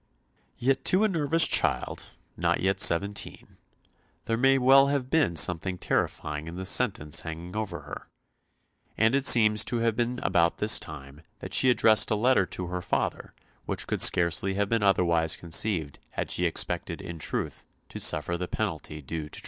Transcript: Yet to a nervous child, not yet seventeen, there may well have been something terrifying in the sentence hanging over her, and it seems to have been about this time that she addressed a letter to her father which could scarcely have been otherwise conceived had she expected in truth to suffer the penalty due to treason.